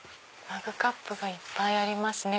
マグカップがいっぱいありますね